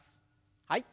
はい。